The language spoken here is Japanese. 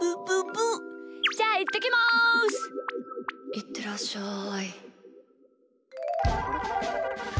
いってらっしゃい。